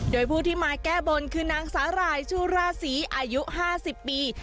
โดยผู้ที่มาแก้บนคือนางสาหร่ายชูราศีอายุ๕๐ปี